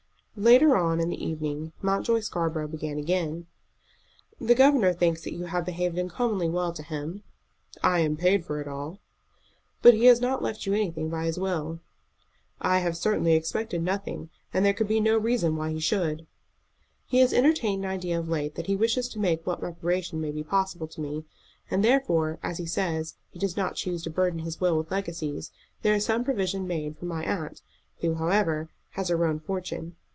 Later on in the evening Mountjoy Scarborough began again. "The governor thinks that you have behaved uncommonly well to him." "I am paid for it all." "But he has not left you anything by his will." "I have certainly expected nothing, and there could be no reason why he should." "He has entertained an idea of late that he wishes to make what reparation may be possible to me; and therefore, as he says, he does not choose to burden his will with legacies. There is some provision made for my aunt, who, however, has her own fortune.